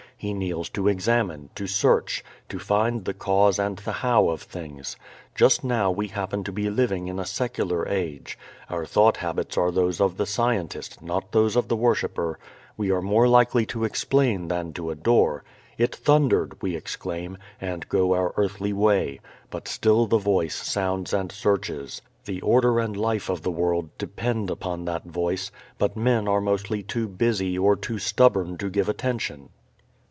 He kneels to examine, to search, to find the cause and the how of things. Just now we happen to be living in a secular age. Our thought habits are those of the scientist, not those of the worshipper. We are more likely to explain than to adore. "It thundered," we exclaim, and go our earthly way. But still the Voice sounds and searches. The order and life of the world depend upon that Voice, but men are mostly too busy or too stubborn to give attention.